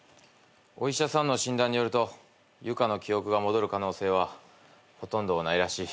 お医者さんの診断によるとユカの記憶が戻る可能性はほとんどないらしい。